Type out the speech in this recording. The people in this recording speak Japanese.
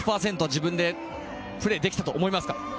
自分でプレーできたと思いますか？